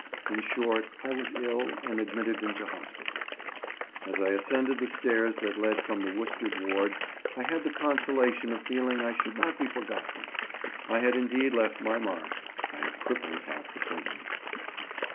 In short I was ill, and admitted into hospital. As I ascended the stairs that led from the worsted wards I had the consolation of feeling I should not be forgotten. I had indeed left my mark; I had crippled half the prison.